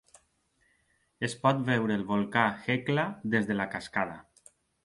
Es pot veure el volcà Hekla des de la cascada.